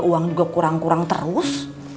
uang juga kurang kurang terus